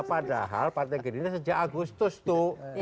padahal partai gerindra sejak agustus tuh